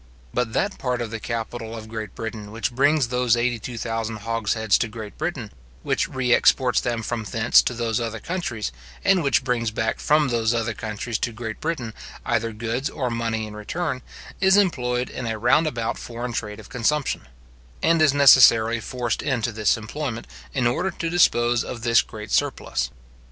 But that part of the capital of Great Britain which brings those eighty two thousand hogsheads to Great Britain, which re exports them from thence to those other countries, and which brings back from those other countries to Great Britain either goods or money in return, is employed in a round about foreign trade of consumption; and is necessarily forced into this employment, in order to dispose of this great surplus.